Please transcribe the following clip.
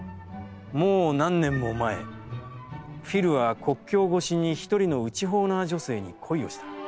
もう何年も前、フィルは国境ごしに一人の内ホーナー女性に恋をした。